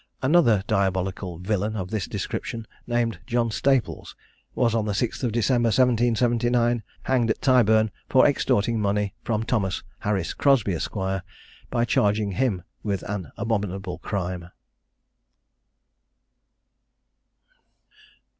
Another diabolical villain of this description, named John Staples, was, on the 6th of December, 1779, hanged at Tyburn, for extorting money from Thomas Harris Crosby, Esq. by charging him with an abominable crime.